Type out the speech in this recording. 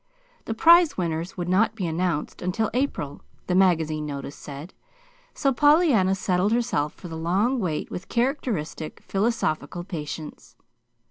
The prize winners would not be announced until April, the magazine notice said, so Pollyanna settled herself for the long wait with characteristic, philosophical patience.